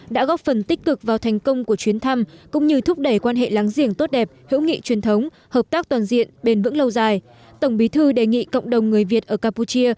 đã góp phần tích cực vào thành công của chuyến thăm cũng như thúc đẩy quan hệ láng giềng tốt đẹp hữu nghị truyền thống hợp tác toàn diện bền vững lâu dài